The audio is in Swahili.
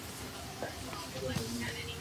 Leo kulipambazuka mapema.